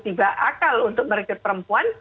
tiga akal untuk merekrut perempuan